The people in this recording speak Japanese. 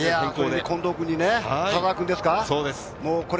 近藤君に、田澤君ですか。